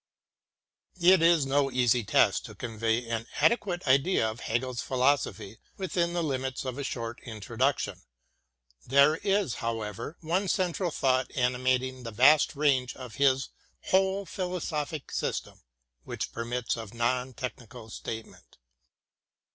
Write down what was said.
It is no easy task to convey an adequate idea of Hegel's philosophy within the limits of a short introduction. There is, however, one central thought animating the vast range of his whole philosophic system "which permits of non tech nical statement.